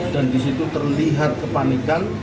dan disitu terlihat kepanikan